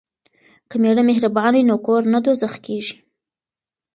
که میړه مهربان وي نو کور نه دوزخ کیږي.